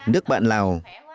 nước bạn lào